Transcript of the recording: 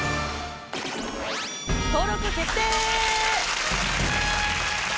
登録決定！